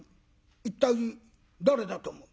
一体誰だと思う？